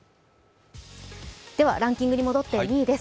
ではランキングに戻って２位です。